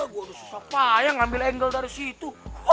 gue udah susah payah ngambil angle dari situ